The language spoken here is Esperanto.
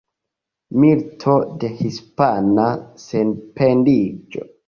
Milito de Hispana Sendependiĝo.